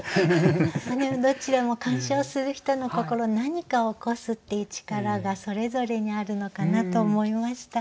どちらも鑑賞する人の心の何かを起こすっていう力がそれぞれにあるのかなと思いました。